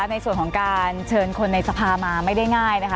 ในส่วนของการเชิญคนในสภามาไม่ได้ง่ายนะคะ